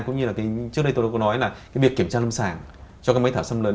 cũng như là trước đây tôi đã có nói là cái việc kiểm tra lâm sàng cho cái máy thở xâm lấn